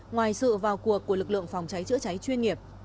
ngoài sự vào cuộc của lực lượng phòng cháy chữa cháy chuyên nghiệp